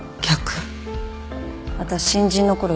私新人のころ